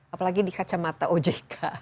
apalagi di kacamata ojk